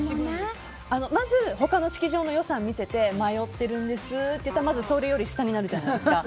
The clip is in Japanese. まず他の式場の予算見せて迷ってるんですって言ったらそれより下になるじゃないですか。